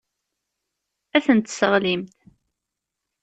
Ad ten-tesseɣlimt.